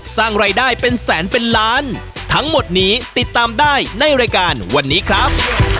สร้างรายได้เป็นแสนเป็นล้านทั้งหมดนี้ติดตามได้ในรายการวันนี้ครับ